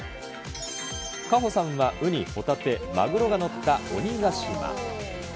夏帆さんはウニ、ホタテ、マグロが載ったおにがしま。